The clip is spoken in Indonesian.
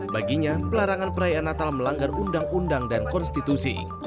baginya pelarangan perayaan natal melanggar undang undang dan konstitusi